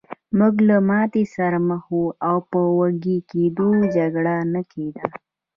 موږ له ماتې سره مخ وو او په وږې ګېډه جګړه نه کېده